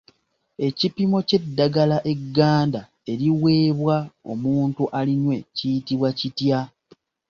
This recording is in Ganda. Ekipimo ky'eddagala egganda eriweebwa omuntu alinywe kiyitibwa kitya?